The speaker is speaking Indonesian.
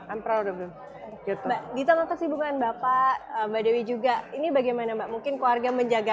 ampera udah gitu gitu kesibukan bapak mbak dewi juga ini bagaimana mbak mungkin keluarga menjaga